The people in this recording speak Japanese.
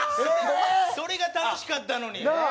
それが楽しかったのになあ